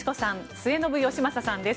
末延吉正さんです。